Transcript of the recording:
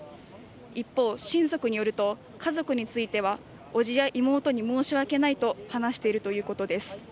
一方、親族によると家族についてはおじや妹に申し訳ないと話しているということです。